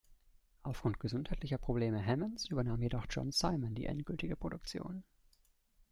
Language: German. Aufgrund gesundheitlicher Probleme Hammonds übernahm jedoch John Simon die endgültige Produktion.